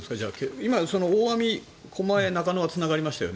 今、大網、狛江、中野はつながりましたよね。